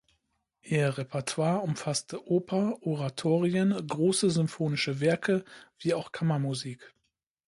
Ihr Repertoire umfasste Oper, Oratorien, große Symphonische Werke wie auch Kammermusik.